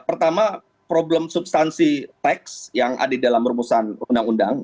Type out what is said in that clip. pertama problem substansi teks yang ada di dalam rumusan undang undang